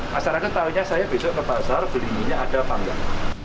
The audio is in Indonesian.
masyarakat tahunya saya besok ke pasar beli minyak ada apa enggak